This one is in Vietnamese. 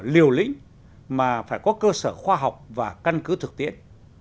liều lĩnh mà phải có cơ sở khoa học và căn cứ thực tiễn